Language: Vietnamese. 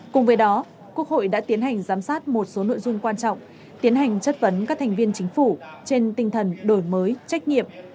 cùng với đó quốc hội đã tiến hành giám sát một số nội dung quan trọng tiến hành chất vấn các thành viên chính phủ trên tinh thần đổi mới trách nhiệm